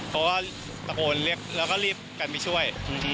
เขาก็ตะโกนเรียกแล้วก็รีบกันไปช่วย